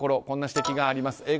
こんな指摘があります。